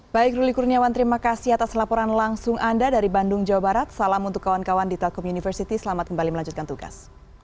baik ruli kurniawan terima kasih atas laporan langsung anda dari bandung jawa barat salam untuk kawan kawan di telkom university selamat kembali melanjutkan tugas